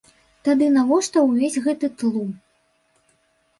Тады навошта ўвесь гэты тлум?